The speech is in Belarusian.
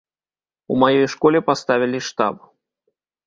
У маёй школе паставілі штаб.